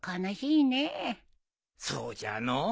そうじゃのう。